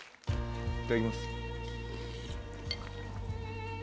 いただきます。